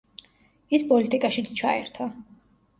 ის პოლიტიკაშიც ჩაერთო.